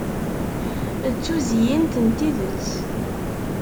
D tuzyint n tidet